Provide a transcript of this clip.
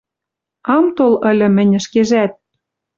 Ам тол ыльы мӹнь ӹшкежӓт.